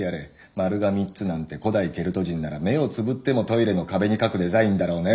「丸が３つ」なんて古代ケルト人なら目をつぶってもトイレの壁に描くデザインだろうねッ！